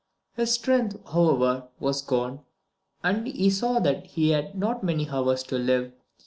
His strength, however, was gone, and he saw that he had not many hours to live.